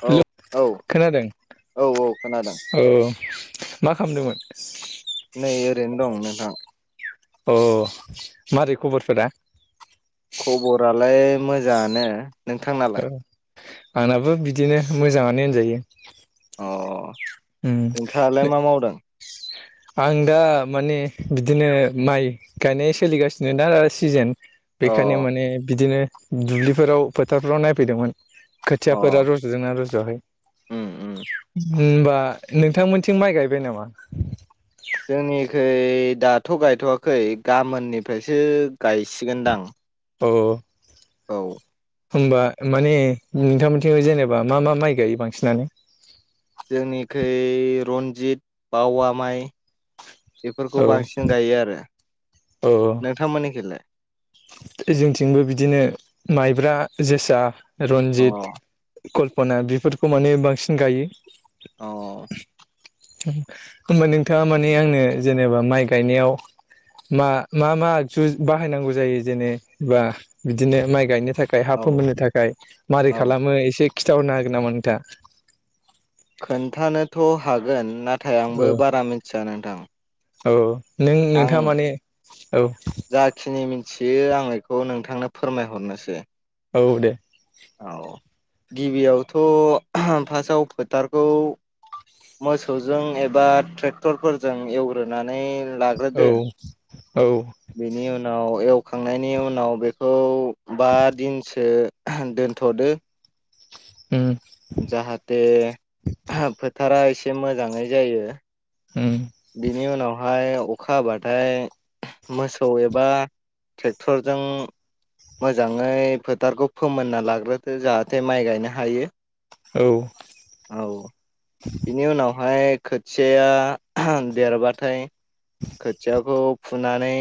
औ हेलौ औ खोनादों औ औ खोनादों औ मा खालामदोंमोन नै ओरैनो दं नोंथां मारोरै खबरफो रा खबरालाय मोजाङानो औ नोंथांनालाय आंनाबो बिदिनो मोजाङानो होनजायो अ उम नोंथाङालाय मा मावदों आं दा माने बिदिनो माइ गायनाय सोलिगासिनो दा सिजोन बेखायनो अ माने बिदिनो दुब्लिफोराव फोथारफोराव नायफैदोंमोन अ खोथियाफोरा रज'दोंना रज'आखै उम उम होनबा नोंथांमोनथिं माइ गायबाय नामा जोंनिखै दाथ' गायथ'वाखै गाबोननिफ्रायसो गायसिगोनदां औ औ होमबा माने नोंथांमोनथि जेनेबा मा मा माइ गायो बांसिनानो जोंनिखै रन्जित बावा माइ बेफोरखौ औ बांसिन गायो आरो औ औ नोंथांमोननिखलाय जोंथिंबो बिदिनो माइब्रा जोसा अ रन्जित कल्पना बेफोरखौ माने बांसिन गायो औ होनोमबा नोंथाङा मानिे आंनो जेनेबा माइ गायनायाव मा मा मा आगजु बाहायनांगौ जायो बिदिनो बा बिदिनो माइ गायनो थाखाय हा औ फोमोननो थाखाय मारै औ खालामो एसे खिन्थाहरनो हागोन नामा नोंथाङा खोन्थानोथ' हागोन नाथाय औ आंबो बारा मिथिया नोंथां औ नों आं नोंथाङा माने औ जाखिनि मिथियो आं बेखौ नोंथांनो फोरमायहरनोसै औ दे औ गिबियावथ' फार्स्टआव फोथारखौ मोसौजों एबा ट्रेक्टरफोरजों एवग्रोनानै औ लाग्रोदो औ बेनि उनाव होखांनायनि उनाव बेखौ बा दिनसो दोनथ'दो उम जाहाथे फोथारा एसे मोजाङै जायो उम बेनि उनावहाय अखा हाबाथाय मोसौ एबा ट्रेक्टरजों मोजाङै फोथारखौ फोमोनना लाग्रोथो जाहाथे माइ गायनो हायो औ औ बिनि उनावहाय खोथियाया देरबाथाय खोथियाखौ फुनानै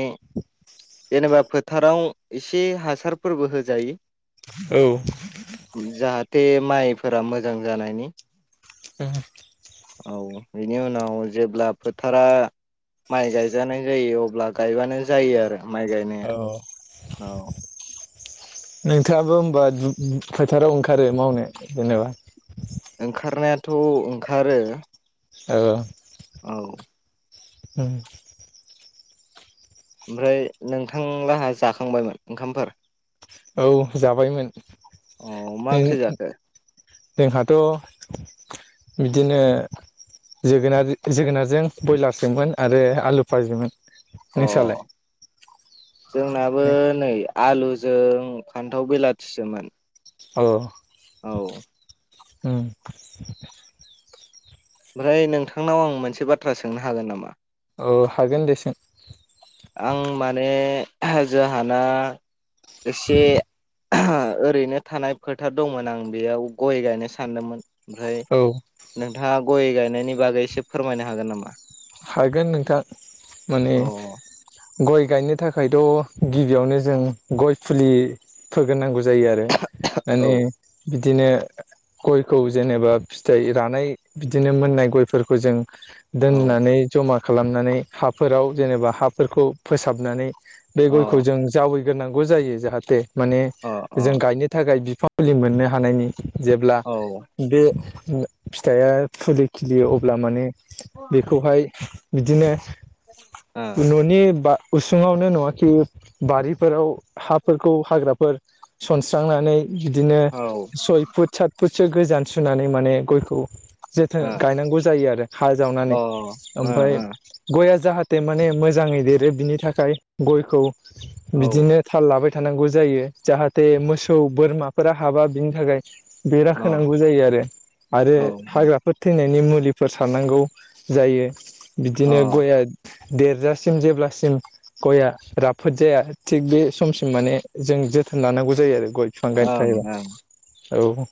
जेनेबा फोथाराव एसे हासारफोरबो होजायो औ बे माइफोरा मोजां जानायनि ओ औ बेनि उनाव जेब्ला फोथारा माइ गायजानाय जायो अब्ला गायबानो जायो आरो। माइ गायनाया औ औ। नोंथाङाबो होबा दु फोथाराव ओंखारो मावनो जेनेबा? ओंखारनायाथ' ओंखारो औ। औ। ओ। ओमफ्राय नोंथांलाहा जाखांबायमोन ओंखामफोर? औ जाबायमोन। अ मा ओंख्रि जाखो [inaudible] जोंहाथ' बिदिनो जोगोन जोगोनारजों ब्रयलारजोंमोन आरो आलु फाजोममोन। अ जोंनाबो नै आलु जों फान्थाव बेलाथिसोमोन। औ। औ। ओम। ओमफ्राय नोंथांनाव आं मोनसे बाथ्रा सोंनो हागोन नामा? औ हागोन दे सों आहा जोंहाना एसे आहा ओरैनो थानाय फोथार दंमोन आं बेयाव गय गायनो सानदोंमोन ओमफ्राय औ नोंथाङा गय गायनायनि बागै एसे फोरमायनो हागोन नामा? हागोन नोंथां माने औ गय गायनो थाखायथ' गिबियावनो जों गय फुलि फोग्रोर नांगौ ज जायो आरो माने औ बिदिनो गयखौ जेनेबा फिथाइ रानाय बिदिनो मोननाय गयफोरखौ जों अ दोननानै जमा खालामनानै हाफोराव जेनेबा हाफोरखौ फोसाबनानै बे गयखौ जों अ जावैग्रोनांगौ जायो जाहाथे माने जों अ गायनो थाखाय बिफां फुलि मोननो हानायनि जेब्ला औ ओ बे ओ फिथाइआ फुलि खिलियो अब्ला माने औ बेखौहाय बिदिनो न'नि बा उसुङावनो नङाखि बारिफोराव हाफोरखौ हाग्राफोर सनस्रांनानै बिदिनो ओ सय फुट सात फुटसो गोजान सुनानै माने गयखौ जोथो अ गायनांगौ जायो आरो हा जावनानै ओ ओ औ ओमफ्राय गया जाहाथे माने मोजाङै देरो बिनि थाखाय गयखौ औ बिदिनो थाल लाबाय थानांगौ जायो जाहाथे मोसौ बोरमाफोरा हाबा बिनि थाखाय औ बेराखोनांगौ जायो आरो आरो अ ओं हाग्राफोर थैनायनि मुलिफोर सारनांगौ। जायो बिदिनो गया देरजासिम जेब्लासिम गया राफोद जाया थिग बे समसिम माने जों जोथोन लानांगौ जायो आरो। गय बिफां गायनो ओं थाबा औ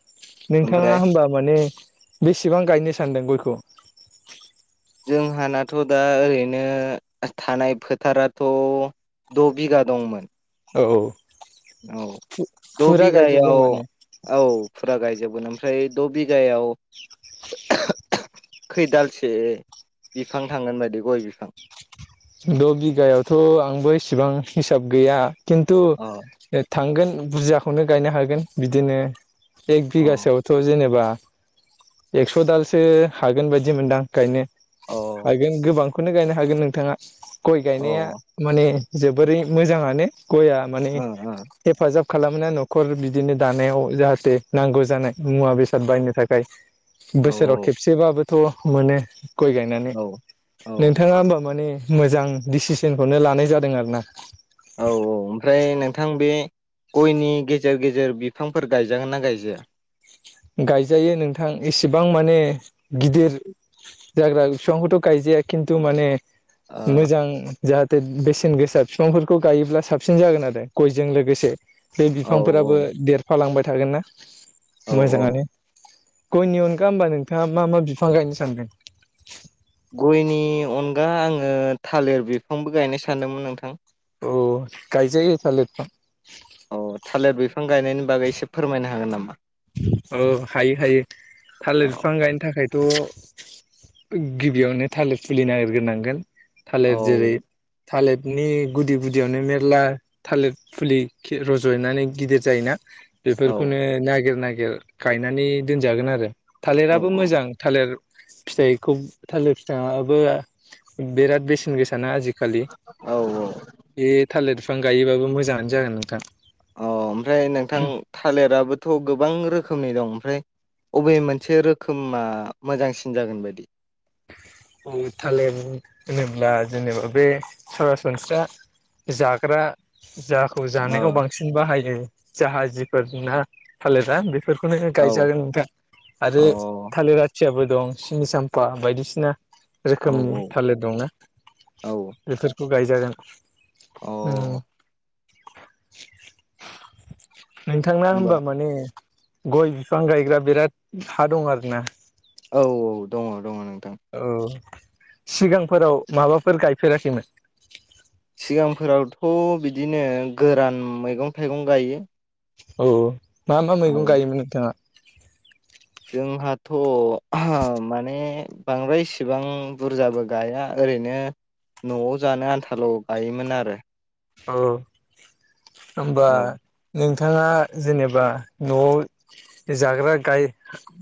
नोंथाङा ओमफ्राय होनबा माने बेसेबां गायनो सानदों गयखौ? जोंहानाथ' दा ओरैनो थानाय फोथाराथ' द' बिघा दंमोन। औ। औ द' फुरा बिगायाव गायजोबगोन माने औ फुरा गायजोबगोन। ओमफ्राय द' बिगायाव [unintelligible] खैदालसे बिफां थांगोन बायदि गय बिफां? द' बिगायावथ' आंबो इसिबां हिसाब गैया खिन्थु अ थांगोन। बुरजाखौनो गायनो हागोन बिदिनो एक अ बिगासोआवथ' जेनेबा एक्स' दालसो हागोन बायदि मोनदां गायनो अ हागोन गोबां। बेखौनो गायनो हागोन नोंथाङा गय अ गायनाया ओं माने जोबोरै मोजाङानो। गया माने हेफाजाब खालामोना न'खर बिदिनो दानायाव जाहाथे नांगौ जानाय मुवा बेसाद बायनो थाखाय। बोसोराव ओं खेबसेबाबोथ' मोनो गय गायनानै औ औ नोंथाङा होमबा माने मोजां डिसिसनखौनो लानाय जादों आरोना। औ औ ओमफ्राय नोंथां बे। गयनि गेजेर- गेजेर बिफांफोर गायजागोन ना गायजाया? गायजायो नोंथां एसेबां माने गिदिर जाग्रा बिफांखौथ' गायजाया खिन्थु माने ओ मोजां। जाहाथे बेसेन गोसा फिफांफोरखौ गायोब्ला साबसिन जागोन आरो गयजों लोगोसे। बे औ बिफांफोराबो देरफालांबाय थागोन ना औ औ मोजाङानो। गयनि अनगा होमबा नोंथाङा मा मा बिफां गायनो सानदों? गयनि अनगा आङो थालिर बिफांबो गायनो सानदोंमोन नोंथां। औ गायजायो थालिर फिफां। औ थालिर बिफां गायनायनि बागै एसे फोरमायनो हागोन नामा? औ हायो- हायो थालिर औ फिफां गायनो थाखाय। थ' गिबियावनो थालिर फुलि नागिरग्रोनांगोन। थालिर जेरै औ थालिदनि गुदि गुदियावनो मेरला थालिर फुलि खि रज'नानै गिदिर जायोना। औ बेफोरखौनो नागिर- नागिर गायनानै दोनजागोन आरो औ थालिराबो मोजां थालिर। फिथाइखौ थालिर फिथायाबो बिराद बेसेन गोसा। ना आजिखालि औ औ बे थालिर फिफां गायोबाबो मोजाङानो जागोन नोंथां। अ ओमफ्राय नोंथां थालिराबोथ' गोबां रोखोम [unintelligible] दं ओमफ्राय अबे मोनसे रोखोमा मोजांसिन जागोन बायदि। थालिर होनोब्ला जेनेबा बे सरासनस्रा जाग्रा। जाखौ ओ जानायाव बांसिन बाहायो जाहाजिफोर ना थालिरा बे बेफोरखौनो औ गायजागोन दा अ आरो थालिर आ [unintelligible] दं सिनि साम्फा बायदिसिना। औ रोखोमनि थालिर दंना औ बेफोरखौ गायजागोन। ओ। अ नोंथांना होमबा माने गय बिफां गायग्रा बिराद हा दं आरो ना। औ औ दङ दङ नों औ सिगांफोराव माबाफोर गायफेराखैमोन? सिगांफोरावथ' बिदिनो गोरान मैगं -थाइगं गायो। औ मा- मा औ मैगं गायोमोन नोंथाङा? थ' आह माने बांद्राय इसिबां बुरजाबो गाया ओरैनो। न'आव जानो आनथाल' गायोमोन आरो। औ होमबा औ नों नोंथाङा जेनेबा न'आव जाग्रा गाय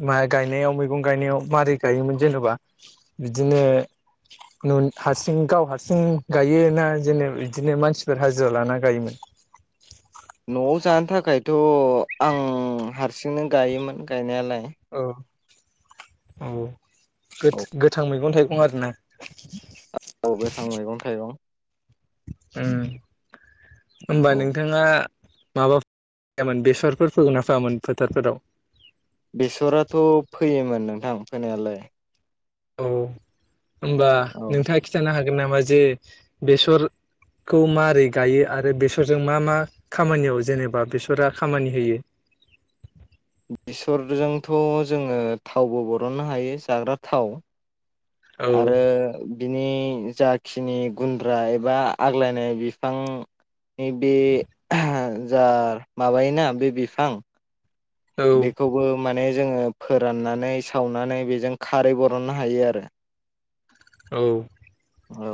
माइ गायनायाव मैगं गायना याव मारै गायोमोन जेनेबा बिदिनो नन हारसिं गाव हारसिं गायोना जेने इदिनो मानसि फोर हाजिरा लाना गायोमोन? न'आव जानो थाखायथ' आं हारसिंनो गायोमोन गायनायालाय। औ। औ औ गो-गोथां मैगं थाइगं आरोना? औ गोथां मैगं थाइगं। ओम होनबा औ नोंथाङा माबाफोर फोआमोन बेसरफोर फोगोन ना फोआमोन फोथारफोराव? बेसराथ' फैयोमोन नोंथां फोनायालाय। औ होनबा औ नोंथाङा खिन्थानो हागोन नामा जे बेसर खौ मारै गायो आरो बेसरजों मा मा खामानियाव जेनेबा बेसरा खामानि होयो? बेसरजोंथ' जोङो थावबो बरननो हायो जाग्रा थाव औ आरो बिनि जाखिनि गुन्द्रा एबा आग्लायनाय बिफां नि बे जा माबायोना बे बिफां औ बेखौबो माने जोङो फोराननानै, सावनानै बेजों खारै बरननो हायो आरो। औ। औ।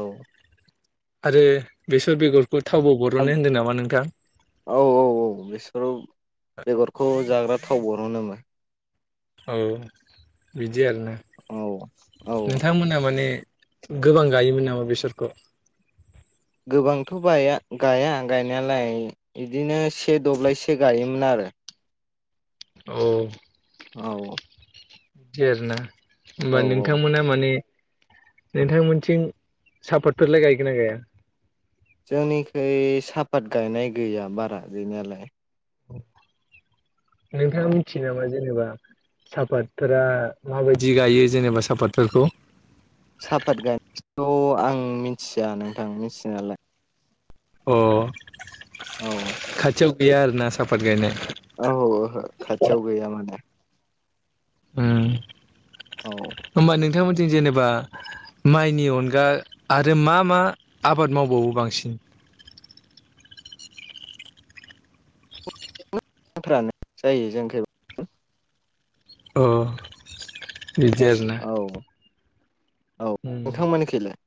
आरो बेसर बेगरखौ थावबो बरननो औ होनदों नामा नोंथां? औ औ औ बेसोर बेगरखौ जाग्रा थाव बर'नोमोन। औ बिदि आरो ना औ औ नोंथांमोना माने गोबां गायोमोन नामा बेसरखौ? गोबांथ' बाया गाया गायनायालाय इदिनो से दब्लायसो गायोमोन आरो। [unintelligible] औ। औ औ। बिदि आरो ना होमबा औ नोंथांमोना माने नोंथांमोनथिं सापाटफोरलाय गायगोन ना गाया? जोंनिखै सापात गायनाय गैया बारा गैनायालाय। नोंथाङा औ मिथियो नामा जेनेबा सापातफोरा माबायदि गायो जेनेबा सापातफोरखौ? साफात गायनायखौथ' आं मिथिया नोंथां मिथिनायालाय। अ औ खाथियाव गैया आरोना साफात गायनाय? औ ओहो खाथियाव गैया माने। ओ औ होमबा नोंथांमोननिथिं जेनेबा माइनि अनगा आरो मा मा आबाद मावबावो बांसिन? माइफ्रानो जायो जोंनिखैबो। अह बिदि आरोना! औ औ हो नोंथांमोनिखैलाय?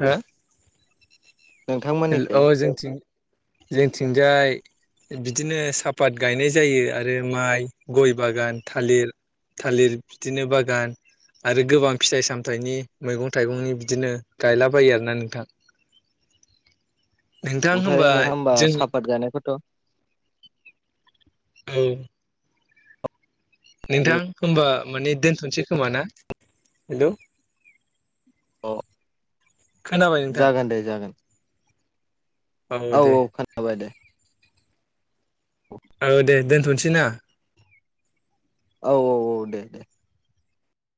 हो? हेल' नोंथांमोननिखै औ जोंथिं जोंथिंजाय बिदिनो सापात गायनाय जायो आरो माइ, गइ बागान, थालिर थालिर बिदिनो बागान आरो गोबां फिथाइ सामथाइनि, मैगं थाइगंनि बिदिनो गायलाबायो आरोना नोंथां। नोंथां ओमफ्राय नोंथाङा होमबा जों सापात गायनायखौथ' औ नोंथां दे होनबा माने दोनथ'सै खोमा ना हेलौ अ खोनाबाय नोंथां जागोन दे जागोन औ औ खोनाबाय दे औ दे दोनथ'नोसै ना औ औ औ दे दे